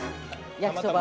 焼きそばを。